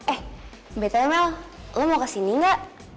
eh bete mel lo mau kesini nggak